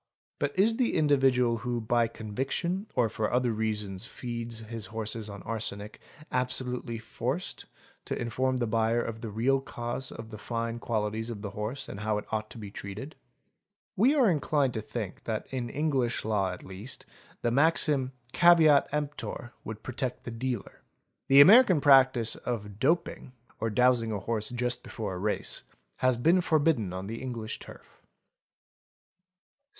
But is the individual who by conviction or for other reasons feeds his horses on arsenic, absolutely forced to inform the buyer of the real cause of the fine qualities of the horse and «<= how it ought to be treated? We are inclined to think that in English law at least the maxim caveat emptor would protect the dealer. The | American practice of "doping'', or dosing a horse just before a race, has been forbidden on the English Turf.